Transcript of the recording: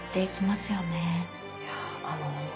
いやあの